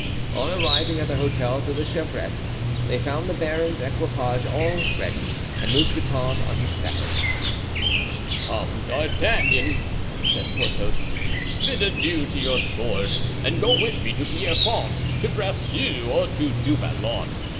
On arriving at the Hotel de la Chevrette they found the baron's equipage all ready and Mousqueton on his saddle. "Come, D'Artagnan," said Porthos, "bid adieu to your sword and go with me to Pierrefonds, to Bracieux, or to Du Vallon.